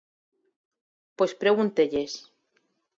Pois pregúntelles.